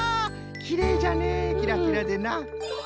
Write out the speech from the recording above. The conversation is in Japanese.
きれいじゃねキラキラでな。